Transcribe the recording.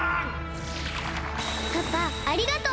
パパありがとう！